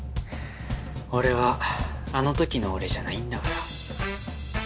俺はあのときの俺じゃないんだから。